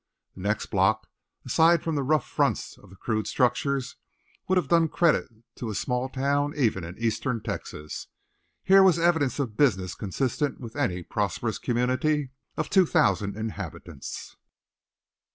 The next block, aside from the rough fronts of the crude structures, would have done credit to a small town even in eastern Texas. Here was evidence of business consistent with any prosperous community of two thousand inhabitants.